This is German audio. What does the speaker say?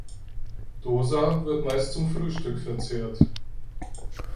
Dosa wird meist zum Frühstück verzehrt.